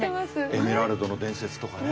「エメラルドの伝説」とかね。